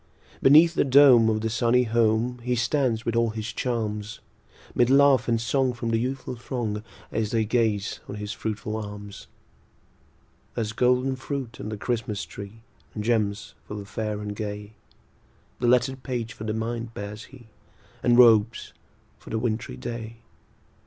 Beneath the dome of the sunny home, He stands with all his charms; 'Mid laugh and song from the youthful throng, As they gaze on his fruitful arms. There's golden fruit on the Christmas tree, And gems for the fair and gay; The lettered page for the mind bears he, And robes for the wintry day.